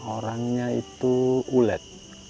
orangnya itu ulet